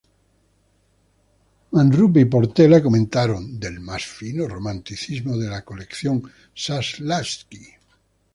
Manrupe y Portela comentaron: “Del más fino romanticismo de la colección Saslavsky.